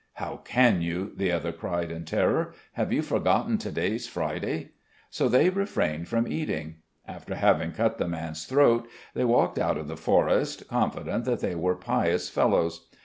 'How can you?' the other cried in terror. 'Have you forgotten to day's Friday?' So they refrained from eating. After having cut the man's throat they walked out of the forest confident that they were pious fellows.